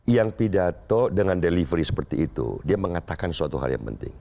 yang pidato dengan delivery seperti itu dia mengatakan suatu hal yang penting